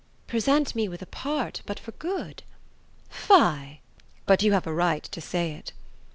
"Present me with a part but for good." "Fie! But you have a right to say it."